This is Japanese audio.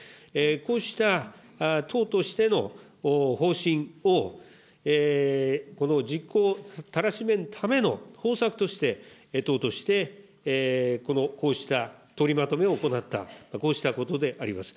こうした党としての方針をこの実行たらしめんための方策として、党として、こうした取りまとめを行った、こうしたことであります。